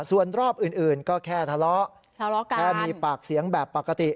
ส่วนรอบอื่นก็แค่ทะเลาะทะเลาะกันแค่มีปากเสียงแบบปกติ